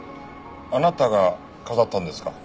あなたが飾ったんですか？